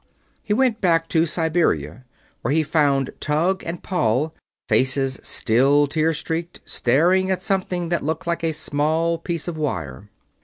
He went back to Siberia, where he found Tug and Paul, faces still tear streaked, staring at something that looked like a small piece of wire.